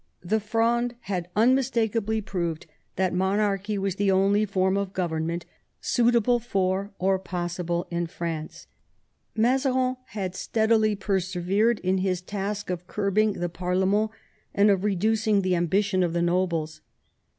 The Fronde had unmistakably proved that 178 MAZARIN chap, ix monarchy was the only form of government suitable for or possible in France. Mazarin had steadily persevered in his task of curbing the pa/rkment and of reducing the ambition of the nobles.